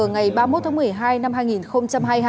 ngày ba mươi một tháng một mươi hai năm hai nghìn hai mươi hai